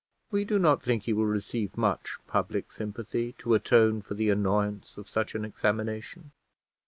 We do not think he will receive much public sympathy to atone for the annoyance of such an examination.